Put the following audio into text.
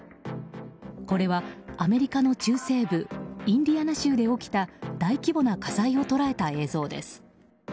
これはアメリカの中西部インディアナ州で起きた大規模な火災を捉えた映像です。